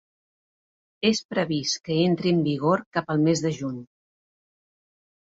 És previst que entri en vigor cap al mes de juny.